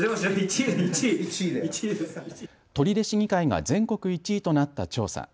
取手市議会が全国１位となった調査。